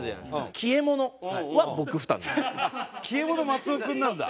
消えものは松尾君なんだ。